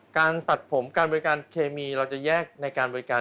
การบริการเคมีเราจะแยกในการบริการ